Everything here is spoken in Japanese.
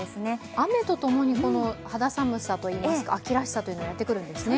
雨とともに肌寒さといいますか、秋らしさがやってくるんですね。